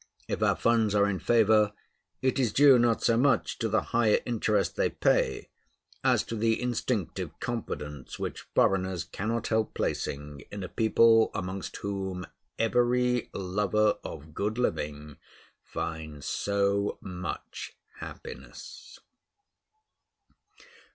If our funds are in favor, it is due not so much to the higher interest they pay, as to the instinctive confidence which foreigners cannot help placing in a people amongst whom every lover of good living finds so much happiness.